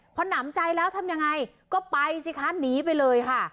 พอหนำใจแล้วทำยังไงก็ไปสิคะหนีไปเลยค่ะ